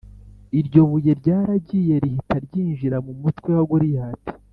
Iryo buye ryaragiye rihita ryinjira mu mutwe wa Goliyati